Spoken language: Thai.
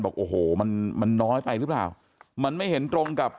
บอกโอ้โหมันมันน้อยไปหรือเปล่ามันไม่เห็นตรงกับ